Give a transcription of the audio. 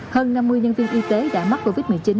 hơn năm mươi nhân viên y tế đã mắc covid một mươi chín